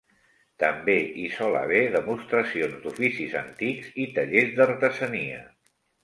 També hi sol haver demostracions d'oficis antics i tallers d'artesania.